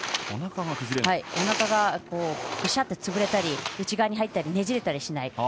おなかが潰れたり内側に入ったりねじれたりしない。